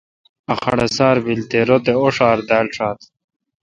ا خڑسار بیل تے رت اوݭار دال ݭات۔